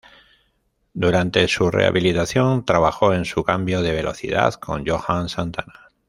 Durante su rehabilitación trabajó en su cambio de velocidad con Johan Santana.